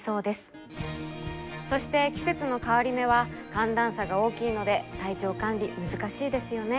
そして季節の変わり目は寒暖差が大きいので体調管理難しいですよね。